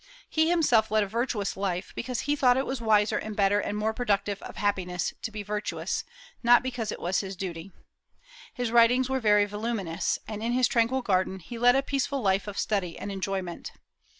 He himself led a virtuous life, because he thought it was wiser and better and more productive of happiness to be virtuous, not because it was his duty. His writings were very voluminous, and in his tranquil garden he led a peaceful life of study and enjoyment.